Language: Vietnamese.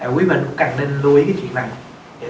quý mình cũng cần nên lưu ý cái chuyện này